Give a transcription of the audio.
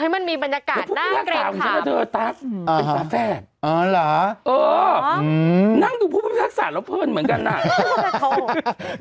เราก็นึกว่าจะแบบว่าเออตื่นเต้นมัน